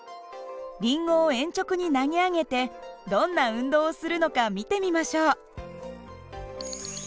リンゴを鉛直に投げ上げてどんな運動をするのか見てみましょう。